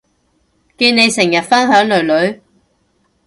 見你成日分享囡囡